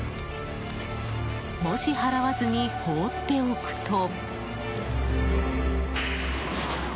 もし払わずに放っておくと。